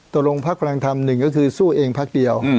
ตรงพักพลังธรรม๑ก็คือสู้เองพักเดียว